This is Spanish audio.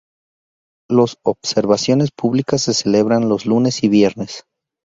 Los observaciones públicas se celebran los lunes y viernes.